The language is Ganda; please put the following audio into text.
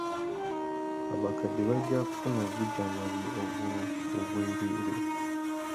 Abakadde bajja kufuna obujjanjabi obw'obwereere.